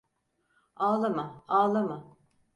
Ağlama, ağlama.